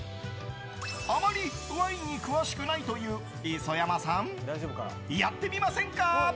あまりワインに詳しくないという磯山さんやってみませんか？